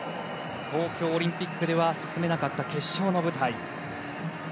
東京オリンピックでは進めなかった決勝の舞台。